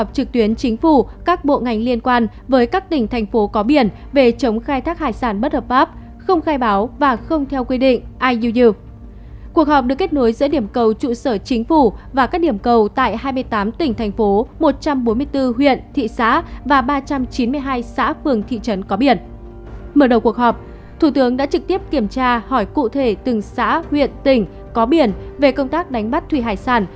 thủ tướng đã trực tiếp kiểm tra hỏi cụ thể từng xã huyện tỉnh có biển về công tác đánh bắt thủy hải sản